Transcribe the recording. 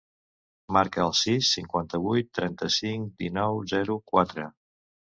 Marca el sis, cinquanta-vuit, trenta-cinc, dinou, zero, quatre.